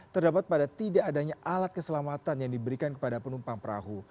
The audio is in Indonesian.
terdapat pada tidak adanya alat keselamatan yang diberikan kepada penumpang perahu